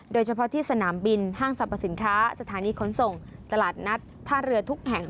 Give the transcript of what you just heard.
โดยเฉพาะที่สนามบินห้างสรรพสินค้าสถานีขนส่งตลาดนัดท่าเรือทุกแห่ง